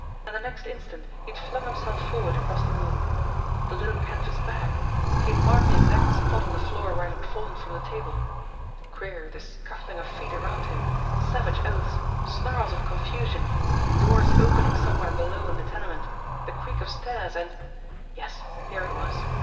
And the next instant he had flung himself forward across the room. The little canvas bag ! He had marked the exact spot on the floor where it had fallen from the table. Queer, this scuffling of feet around him ; savage oaths ; snarls of confu sion ; doors opening somewhere below in the tenement ; the creak of stairs, and Yes, here it was!